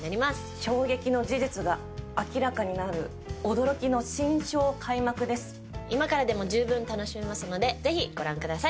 衝撃の事実が明らかになる、今からでも十分楽しめますので、ぜひご覧ください。